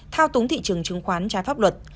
thao túng thị trường chứng khoán trái pháp luật